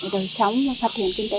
để chống phát triển kinh tế